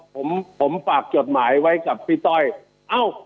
ผมผมฝากจดหมายไว้กับพี่ต้อยเอ้า